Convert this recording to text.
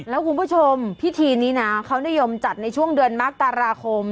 แล้วคุณผู้ชมพิธีนี้นะเขานิยมจัดในช่วงเดือนมกราคม